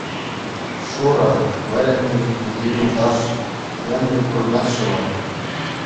Шура, вӗреннӗ чухнехи юлташ, мӗнле пурӑнать-ши вӑл?